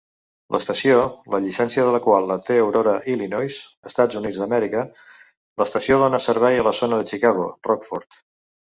L'estació, la llicència de la qual la té Aurora, Illinois (EUA), l'estació dóna servei a la zona de Chicago - Rockford.